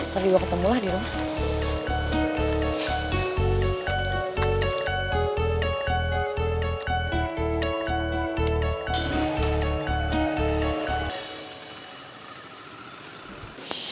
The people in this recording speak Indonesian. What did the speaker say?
terima ketemulah di rumah